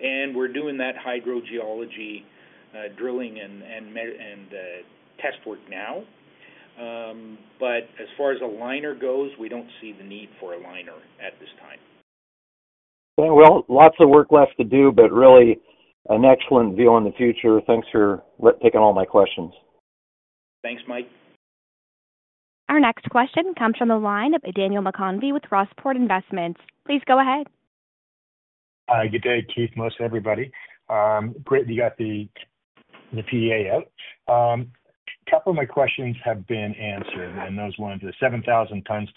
We're doing that hydrogeology drilling and test work now. As far as a liner goes, we don't see the need for a liner at this time. is lots of work left to do, but really an excellent view on the future. Thanks for taking all my questions. Thanks, Mike. Our next question comes from the line of Daniel McConvey with Rossport Investment. Please go ahead. Good day, Keith, Melissa, everybody. Brittany got the PEA out. A couple of my questions have been answered, and those ones, the 7,000 tons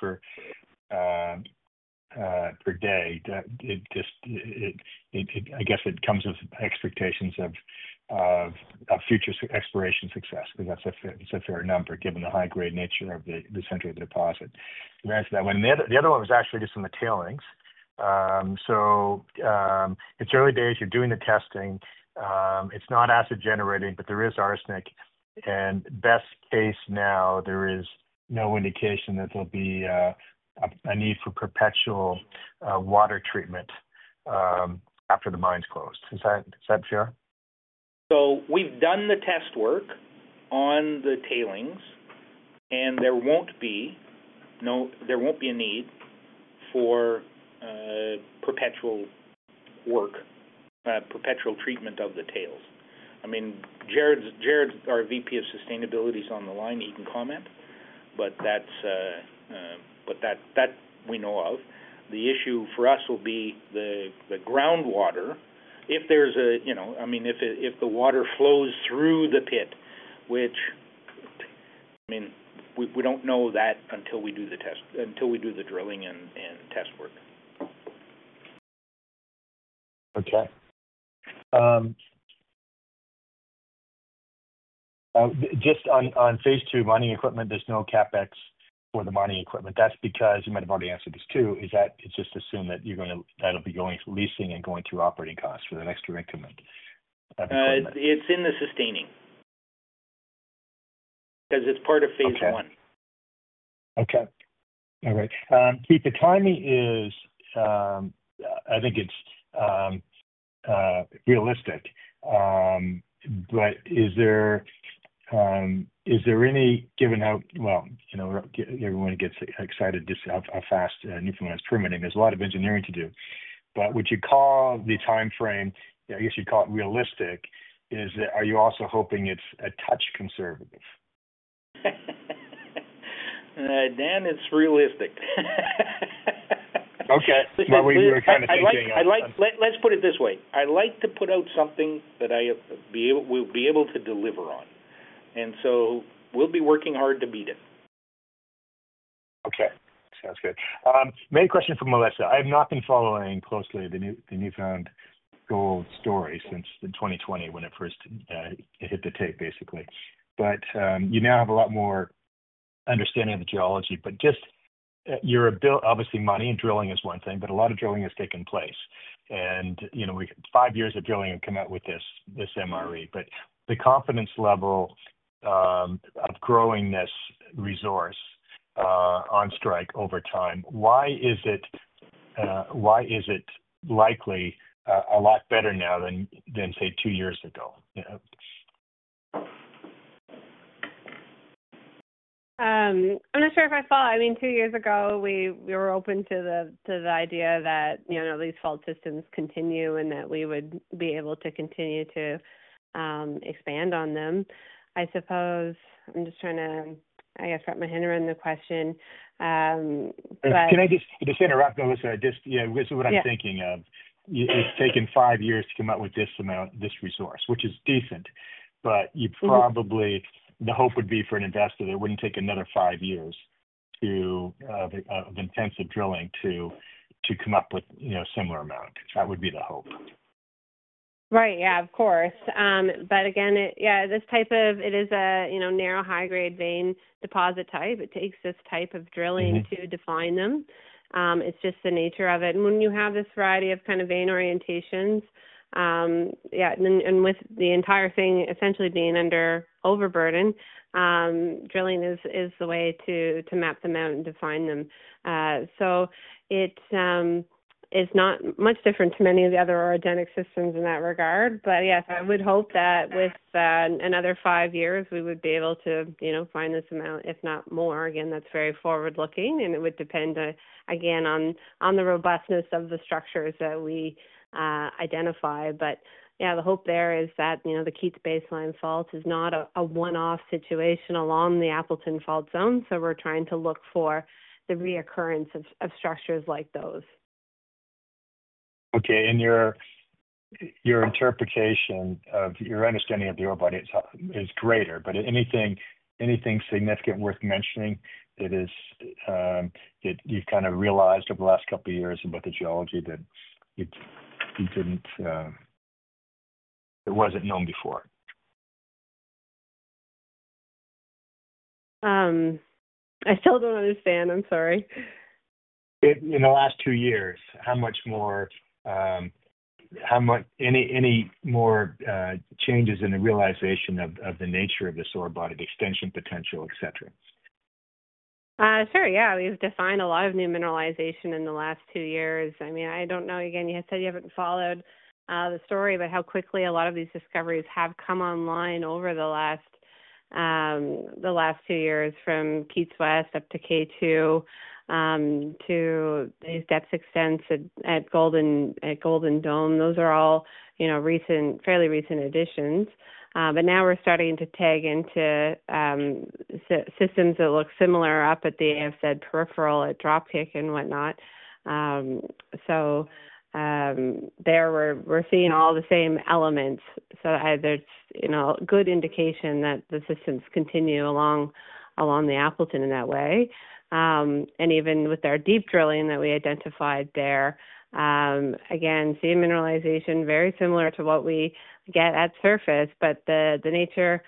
per day, I guess it comes with expectations of future exploration success because that's a fair number given the high-grade nature of the recent deposit. We answered that one. The other one was actually just on the tailings. It's early days. You're doing the testing. It's not acid-generating, but there is arsenic. Best case now, there is no indication that there'll be a need for perpetual water treatment after the mine's closed. Is that fair? We've done the test work on the tailings, and there won't be a need for perpetual work, perpetual treatment of the tails. Jared's our VP Sustainability is on the line. He can comment, but that we know of. The issue for us will be the groundwater. If the water flows through the pit, which we don't know until we do the test, until we do the drilling and test work. Okay. Just on phase two mining equipment, there's no CapEx for the mining equipment. That's because, you might have already answered this too, is that it's just assumed that you're going to, that'll be going to leasing and going through operating costs for the next direct equipment. It's in the sustaining because it's part of phase one. Okay. All right. Keith, the timing is, I think it's realistic. Is there any, given how everyone gets excited just how fast Newfoundland's permitting, there's a lot of engineering to do. Would you call the timeframe, I guess you'd call it realistic, are you also hoping it's a touch conservative? Dan, it's realistic. Okay. We're kind of thinking. Let's put it this way. I like to put out something that we'll be able to deliver on, so we'll be working hard to beat them. Okay. Sounds good. Main question from Melissa. I have not been following closely the New Found Gold story since 2020 when it first hit the tape, basically. You now have a lot more understanding of the geology. Your ability, obviously, money and drilling is one thing, but a lot of drilling has taken place. You know, we have five years of drilling and come out with this MRE. The confidence level of growing this resource on strike over time, why is it likely a lot better now than, say, two years ago? I'm not sure if I follow. Two years ago, we were open to the idea that these fault systems continue and that we would be able to continue to expand on them. I suppose I'm just trying to wrap my head around the question. Can I just interrupt, Melissa? This is what I'm thinking of. It's taken five years to come up with this amount, this resource, which is decent. You probably, the hope would be for an investor that it wouldn't take another five years of intensive drilling to come up with a similar amount. That would be the hope. Right. Yeah, of course. This type of, it is a, you know, narrow high-grade vein deposit type. It takes this type of drilling to define them. It's just the nature of it. When you have this variety of kind of vein orientations, yeah, and with the entire thing essentially being under overburden, drilling is the way to map them out and define them. It's not much different to many of the other orogenic systems in that regard. Yes, I would hope that with another five years, we would be able to, you know, find this amount, if not more. That's very forward-looking, and it would depend, again, on the robustness of the structures that we identify. The hope there is that, you know, the Keats baseline fault is not a one-off situation along the Appleton Fault Zone. We're trying to look for the reoccurrence of structures like those. Okay. Your interpretation of your understanding of the ore body is greater. Anything significant worth mentioning that you've kind of realized over the last couple of years about the geology that wasn't known before? I still don't understand. I'm sorry. In the last two years, how much more, any more changes in the realization of the nature of this ore body of extension potential, etc.? Sure. Yeah. We've defined a lot of new mineralization in the last two years. I mean, I don't know. Again, you said you haven't followed the story, but how quickly a lot of these discoveries have come online over the last two years from Keats West up to K2 to these depth extents at Golden Dome. Those are all, you know, recent, fairly recent additions. Now we're starting to tag into systems that look similar up at the AFZ peripheral at Dropkick and whatnot. There we're seeing all the same elements. Either it's, you know, a good indication that the systems continue along the Appleton in that way. Even with our deep drilling that we identified there, again, see a mineralization very similar to what we get at surface. The nature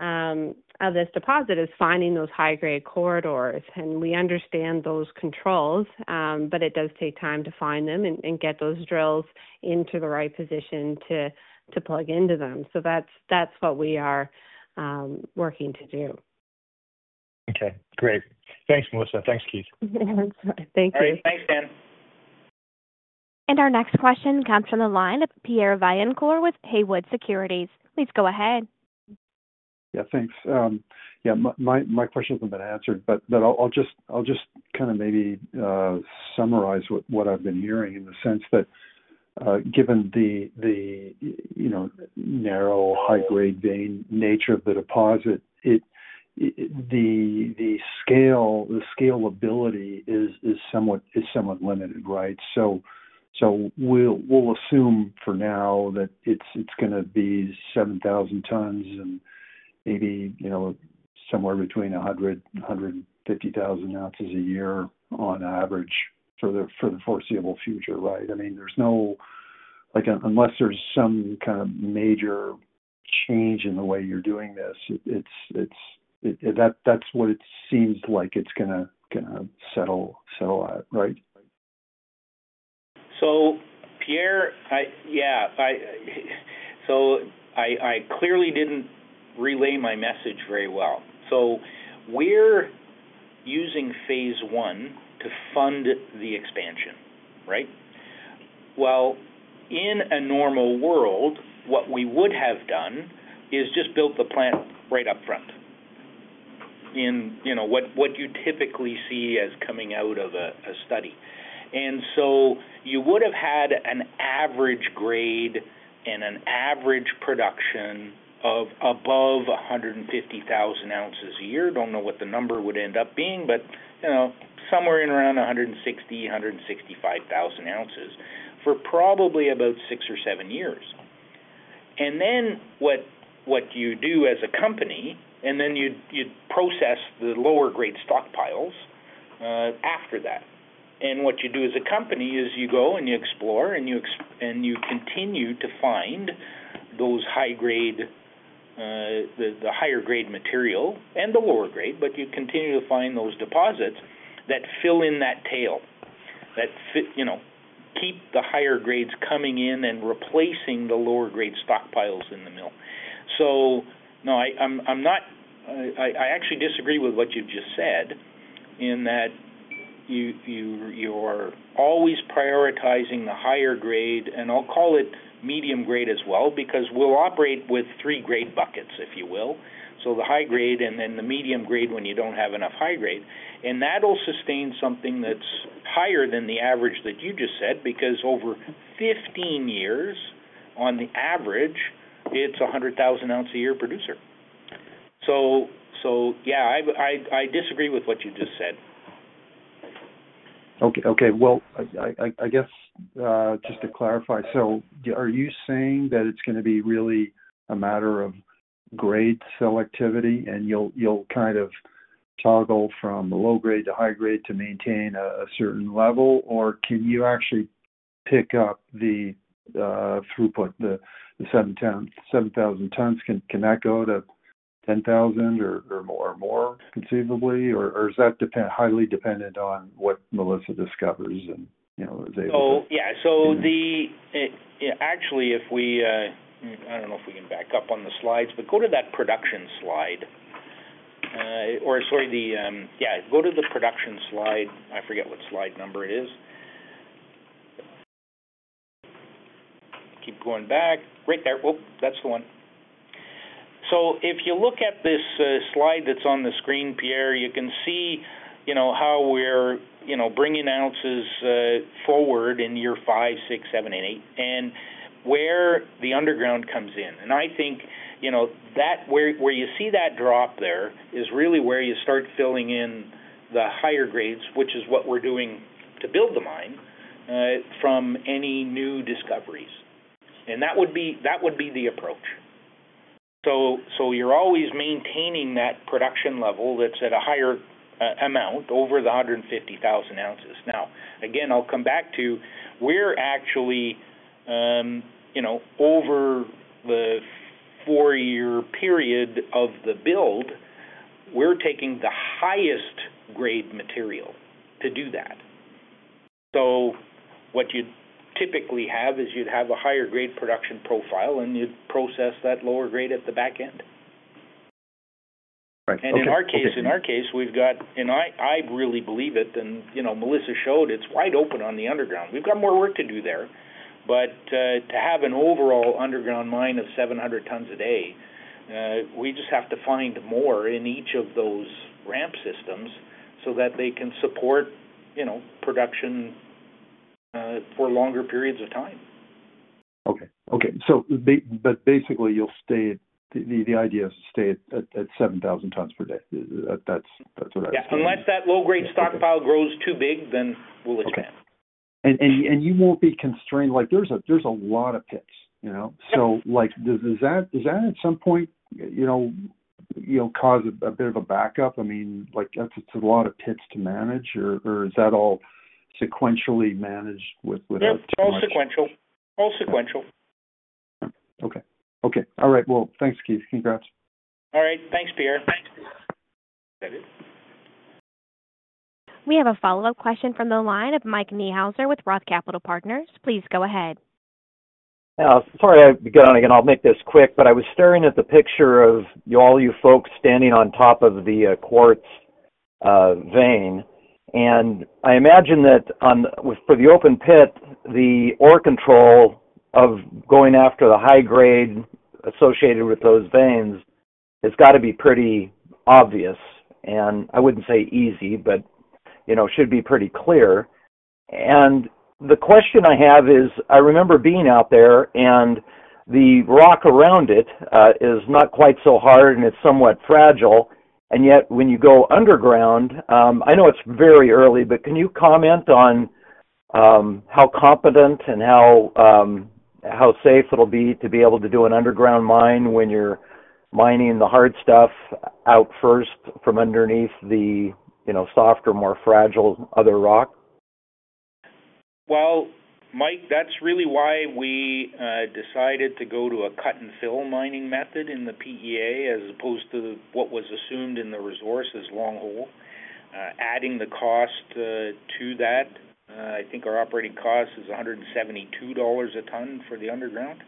of this deposit is finding those high-grade corridors. We understand those controls, but it does take time to find them and get those drills into the right position to plug into them. That's what we are working to do. Okay. Great. Thanks, Melissa. Thanks, Keith. Thank you. Thanks, Dan. Our next question comes from the line of Pierre Vaillancourt with Haywood Securities. Please go ahead. Yeah, thanks. My question hasn't been answered, but I'll just maybe summarize what I've been hearing in the sense that given the, you know, narrow high-grade vein nature of the deposit, the scale, the scalability is somewhat limited, right? I'll assume for now that it's going to be 7,000 tons and maybe somewhere between 100,000 oz, 150,000 oz a year on average for the foreseeable future, right? I mean, there's no, like unless there's some kind of major change in the way you're doing this, that's what it seems like it's going to settle out, right? Pierre, I clearly didn't relay my message very well. We're using phase one to fund the expansion, right? In a normal world, what we would have done is just built the plant right up front in, you know, what you typically see as coming out of a study. You would have had an average grade and an average production of above 150,000 oz a year. I don't know what the number would end up being, but, you know, somewhere in around 160,000 oz, 165,000 oz for probably about six or seven years. What you do as a company is you go and you explore and you continue to find those high grade, the higher grade material and the lower grade, but you continue to find those deposits that fill in that tail, that fit, you know, keep the higher grades coming in and replacing the lower grade stockpiles in the mill. No, I actually disagree with what you've just said in that you're always prioritizing the higher grade, and I'll call it medium grade as well because we'll operate with three grade buckets, if you will. The high grade and then the medium grade when you don't have enough high grade. That'll sustain something that's higher than the average that you just said because over 15 years, on the average, it's a 100,000 oz a year producer. I disagree with what you just said. Okay. I guess just to clarify, are you saying that it's going to be really a matter of grade selectivity and you'll kind of toggle from low grade to high grade to maintain a certain level, or can you actually pick up the throughput, the 7,000 tons? Can that go to 10,000 tons or more conceivably, or is that highly dependent on what Melissa discovers and, you know, is able to? Actually, if we, I don't know if we can back up on the slides, but go to that production slide, or sorry, yeah, go to the production slide. I forget what slide number it is. Keep going back. Right there. That's the one. If you look at this slide that's on the screen, Pierre, you can see how we're bringing oz forward in year five, six, seven, and eight, and where the underground comes in. I think that where you see that drop there is really where you start filling in the higher grades, which is what we're doing to build the mine from any new discoveries. That would be the approach. You're always maintaining that production level that's at a higher amount. The 150,000 oz. Now, again, I'll come back to we're actually, you know, over the four-year period of the build, we're taking the highest grade material to do that. What you'd typically have is you'd have a higher grade production profile, and you'd process that lower grade at the back end. In our case, we've got, and I really believe it, and you know, Melissa showed it's wide open on the underground. We've got more work to do there. To have an overall underground mine of 700 tons a day, we just have to find more in each of those ramp systems so that they can support, you know, production for longer periods of time. Okay. Basically, the idea is to stay at 7,000 tons per day. That's what I understand. Yes, unless that low-grade stockpile grows too big, then we'll expand. You won't be constrained. There's a lot of pits, you know. Does that at some point cause a bit of a backup? I mean, that's a lot of pits to manage, or is that all sequentially managed? It's all sequential. All sequential. Okay. All right. Thanks, Keith. Congrats. All right. Thanks, Peter. Thanks. That is? We have a follow-up question from the line of Mike Niehuser with ROTH Capital Partners. Please go ahead. Sorry, I'll make this quick, but I was staring at the picture of all you folks standing on top of the quartz vein. I imagine that for the open pit, the ore control of going after the high grade associated with those veins has got to be pretty obvious. I wouldn't say easy, but you know, it should be pretty clear. The question I have is, I remember being out there and the rock around it is not quite so hard and it's somewhat fragile. Yet when you go underground, I know it's very early, but can you comment on how competent and how safe it'll be to be able to do an underground mine when you're mining the hard stuff out first from underneath the, you know, softer, more fragile other rock? That's really why we decided to go to a cut-and-fill mining method in the PEA as opposed to what was assumed in the resource as long hole. Adding the cost to that, I think our operating cost is $172 a ton for the underground.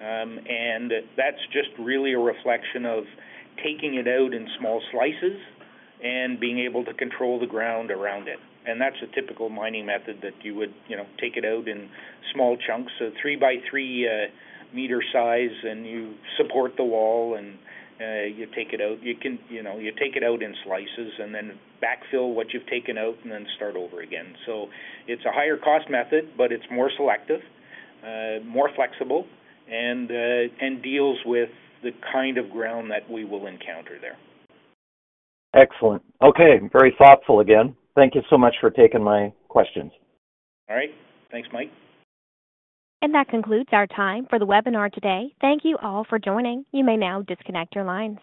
That's just really a reflection of taking it out in small slices and being able to control the ground around it. That's a typical mining method that you would take it out in small chunks of three by three meter size, and you support the wall and you take it out. You take it out in slices and then backfill what you've taken out and then start over again. It's a higher cost method, but it's more selective, more flexible, and deals with the kind of ground that we will encounter there. Excellent. Okay, very thoughtful again. Thank you so much for taking my questions. All right. Thanks, Mike. That concludes our time for the webinar today. Thank you all for joining. You may now disconnect your lines.